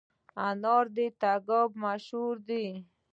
انار د تګاب مشهور دي